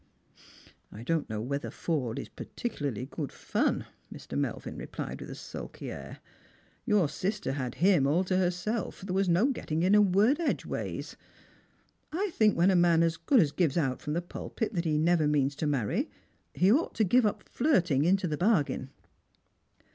" I don't know whether Forde is particularly good fun," Mr Slranyers and Pilgrims. 57 Melvia replied with a sulky air. "Tour sister had /tn;i all to herself. There was no getting in a word edgeways. I think when a man as good as gives out from the pulpit that he never means to marry, he ought to give up flirting into the bargain."